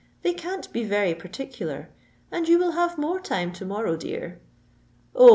They can't be very particular; and you will have more time to morrow, dear." "Oh!